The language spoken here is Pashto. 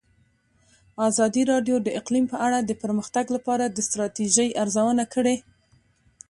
ازادي راډیو د اقلیم په اړه د پرمختګ لپاره د ستراتیژۍ ارزونه کړې.